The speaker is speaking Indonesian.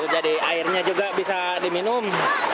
jadi airnya juga bisa diminum